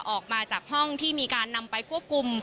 ออกมาจากห้องที่มีการนำไปควบคุม